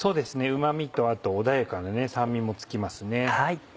うま味と穏やかな酸味もつきますね。